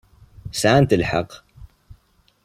Sɛant lḥeqq.